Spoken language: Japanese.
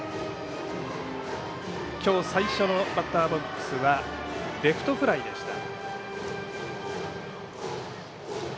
今日最初のバッターボックスはレフトフライでした。